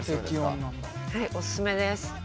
はいお勧めです。